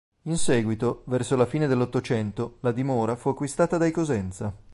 In seguito, verso la fine dell'Ottocento, la dimora fu acquistata dai Cosenza.